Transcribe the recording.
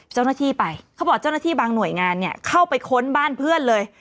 เจ้าหน้าที่ไปเขาบอกเจ้าหน้าที่บางหน่วยงานเนี่ยเข้าไปค้นบ้านเพื่อนเลย